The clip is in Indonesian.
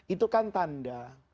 itu kan tanda